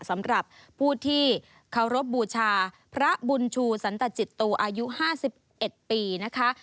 สำหรับผู้ที่เคารพบูชาพระบุญชูสันตจิตโตอายุ๕๑ปีนะคะ